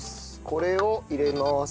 これを入れます。